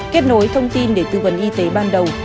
kết nối thông tin để tư vấn y tế ban đầu